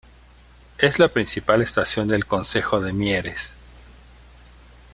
Es la principal estación del concejo de Mieres.